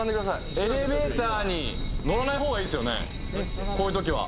エレベーターに乗らないほうがいいですよね、こういうときは。